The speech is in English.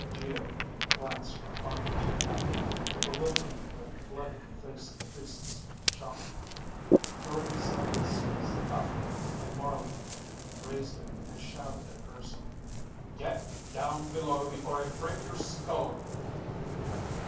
Geo glanced from Argo to the captain. The bewilderment that flooded the face of the Priestess shocked him. Jordde suddenly seized up a marlin pin, raised it, and shouted at Urson, "Get down below before I break your skull open."